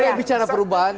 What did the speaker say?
boleh bicara perubahan